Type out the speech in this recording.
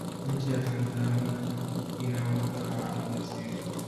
nchi ya tanzani inaongozwa na watu jasiri